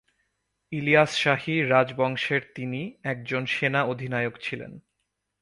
ইলিয়াস শাহি রাজবংশের তিনি একজন সেনা অধিনায়ক ছিলেন।